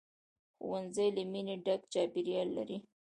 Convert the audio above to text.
ښوونځی له مینې ډک چاپېریال لري